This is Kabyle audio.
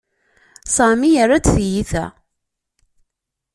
Sami yerra-d tiyita.